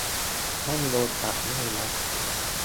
ไม่โดนจับด้วยนะ